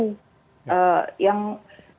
yang dipercaya dengan